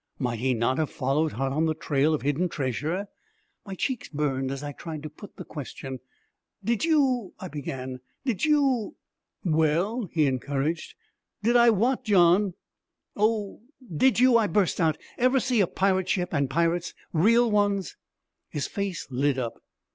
Might he not have followed hot on the trail of hidden treasure? My cheeks burned as I tried to put the question. 'Did you,' I began, 'did you ' 'Well?' he encouraged. 'Did I what, John?' 'Oh, did you,' I burst out, 'ever see a pirate ship, an' pirates real ones?' His face lit up.